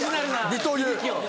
二刀流。